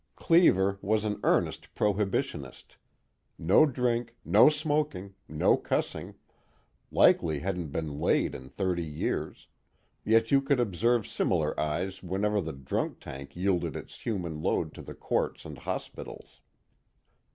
Cleever was an earnest prohibitionist: no drink, no smoking, no cussing, likely hadn't been laid in thirty years, yet you could observe similar eyes whenever the drunk tank yielded its human load to the courts and hospitals.